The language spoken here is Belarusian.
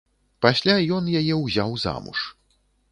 Пасля ён яе ўзяў замуж.